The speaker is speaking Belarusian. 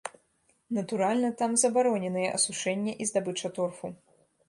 Натуральна, там забароненыя асушэнне і здабыча торфу.